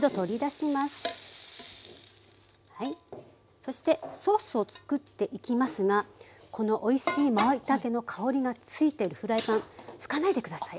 そしてソースをつくっていきますがこのおいしいまいたけの香りがついてるフライパン拭かないで下さい。